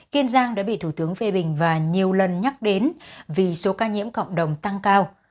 kiên giang đã bị thủ tướng phê bình và nhiều lần nhắc đến vì số ca nhiễm cộng đồng tăng cao